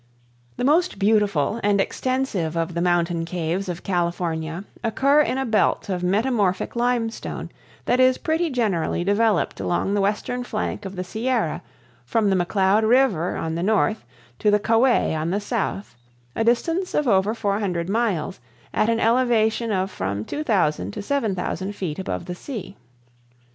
The most beautiful and extensive of the mountain caves of California occur in a belt of metamorphic limestone that is pretty generally developed along the western flank of the Sierra from the McCloud River on the north to the Kaweah on the south, a distance of over 400 miles, at an elevation of from 2000 to 7000 feet above the sea.